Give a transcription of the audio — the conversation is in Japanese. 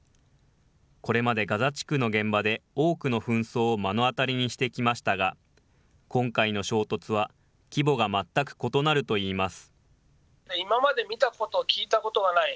これまでガザ地区の現場で多くの紛争を目の当たりにしてきましたが、今回の衝突は規模が全く異なるといいます。